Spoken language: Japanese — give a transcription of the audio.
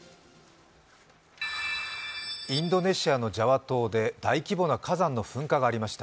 インドネシアのジャワ島で大規模な火山の噴火がありました。